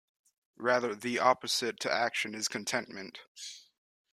Rather, the opposite to action is contentment.